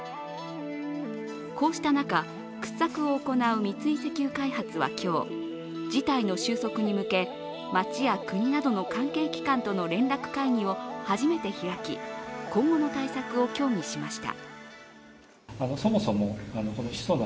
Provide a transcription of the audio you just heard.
こうした中、掘削を行う三井石油開発は今日、事態の収束に向け、街や国などの関係機関との連絡会議を初めて開き、今後の対策を協議しました。